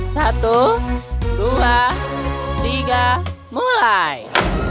satu dua tiga mulai